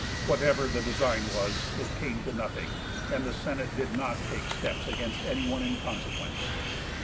Whatever the design was, it came to nothing, and the Senate did not take steps against anyone in consequence.